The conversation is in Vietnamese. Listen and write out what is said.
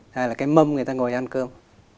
đây là cái mâm người ta ngồi ăn cơm